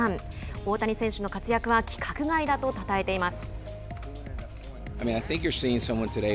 大谷選手の活躍は規格外だとたたえています。